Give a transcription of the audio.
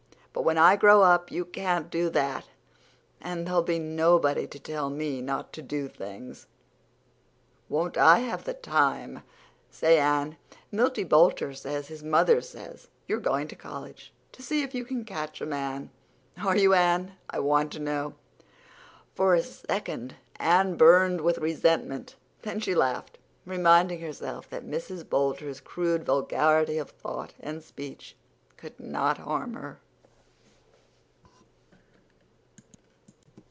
But when I grow up you can't do that, and there'll be nobody to tell me not to do things. Won't I have the time! Say, Anne, Milty Boulter says his mother says you're going to college to see if you can catch a man. Are you, Anne? I want to know." For a second Anne burned with resentment. Then she laughed, reminding herself that Mrs. Boulter's crude vulgarity of thought and speech could not harm her.